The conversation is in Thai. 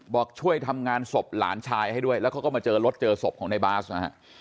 บอกช่วยทำงานศพหลานชายให้ด้วยแล้วเขาก็มาเจอรถเจอศพของในบาสนะฮะ